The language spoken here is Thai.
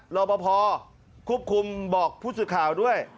ลบพอคุบคุมบอกผู้สูตรข่าวด้วย